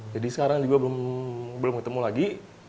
jadi sekarang juga belum ketemu lagi